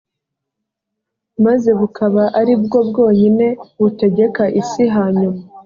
maze bukaba ari bwo bwonyine butegeka isi hanyuma